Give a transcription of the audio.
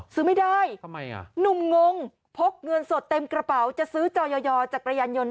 ซื้อไม่ได้ทำไมอ่ะหนุ่มงงพกเงินสดเต็มกระเป๋าจะซื้อจอยอยอจักรยานยนต์